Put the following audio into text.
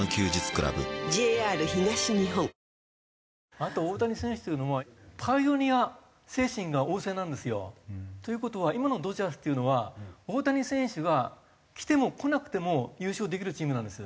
あと大谷選手っていうのはパイオニア精神が旺盛なんですよ。という事は今のドジャースっていうのは大谷選手が来ても来なくても優勝できるチームなんです。